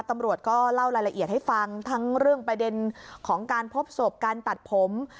ตำรวจก็เล่ารายละเอียดให้ฟังทั้งเรื่องประเด็นของการพบศพการตัดผม